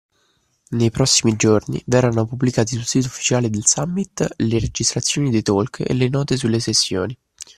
Nei prossimi giorni verranno pubblicati sul sito ufficiale del summit le registrazione dei talk e le note delle sessioni